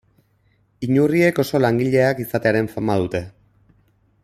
Inurriek oso langileak izatearen fama dute.